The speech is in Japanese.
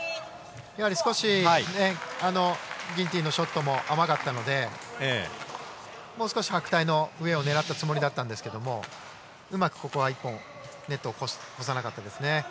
少し、ギンティンのショットも甘かったのでもう少し白帯の上を狙ったつもりだったんですがうまくここはネットを越さなかったですね。